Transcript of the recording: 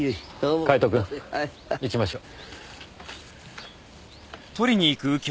カイトくん行きましょう。